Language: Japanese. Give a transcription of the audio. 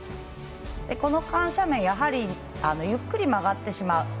この緩斜面ゆっくり曲がってしまう。